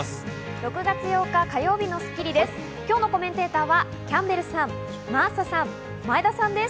６月８日、火曜日の『スッキリ』です。